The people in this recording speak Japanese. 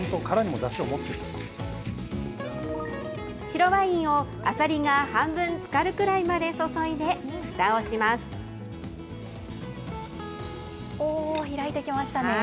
白ワインをアサリが半分つかるくらいまで注いで、ふたをしまおー、開いてきましたね。